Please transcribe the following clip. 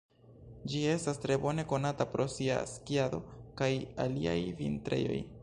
Ĝi estas tre bone konata pro sia skiado kaj aliaj vintrejoj.